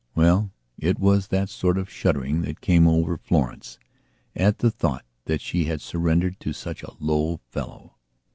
Well, it was that sort of shuddering that came over Florence at the thought that she had surrendered to such a low fellow.